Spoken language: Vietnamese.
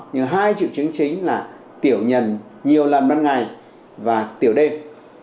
nhưng hai triệu chứng chính là tiểu nhần nhiều lần ban ngày và tiểu đêm